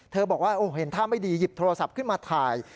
บอกว่าเห็นท่าไม่ดีหยิบโทรศัพท์ขึ้นมาถ่าย